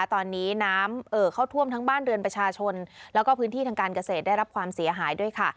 ตอนนี้น้ำเอ่อเข้าท่วมทั้งบ้านเรือนประชาชนแล้วก็พื้นที่ทางการเกษตรได้รับความเสียหายด้วยค่ะ